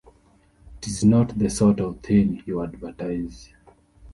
It's not the sort of thing you advertise.